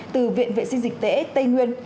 từ viện vệ sinh dịch tễ tây nguyên